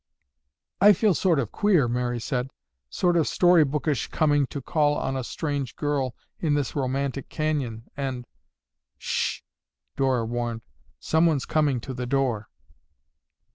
"I feel sort of queer," Mary said, "sort of story bookish—coming to call on a strange girl in this romantic canyon and—" "Sh ss!" Dora warned. "Someone's coming to the door."